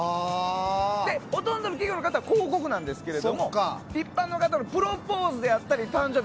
ほとんどの企業の方は広告なんですけど一般の方のプロポーズであったり誕生日